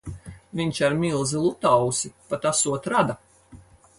Viņš ar milzi Lutausi pat esot rada.